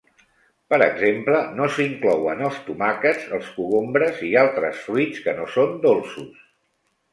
Per exemple, no s'inclouen els tomàquets, els cogombres i altres fruits que no són dolços.